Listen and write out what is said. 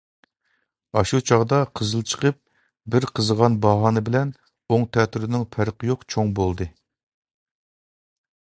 ئاشۇ چاغدا قىزىل چىقىپ، بىر قىزىغان باھانە بىلەن ئوڭ-تەتۈرىنىڭ پەرقى يوق چوڭ بولدى.